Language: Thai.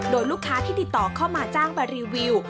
โดยลูกค้าที่ติดต่อเข้ามาจ้างไปรีวิว